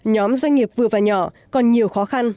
nhóm doanh nghiệp vừa và nhỏ còn nhiều khó khăn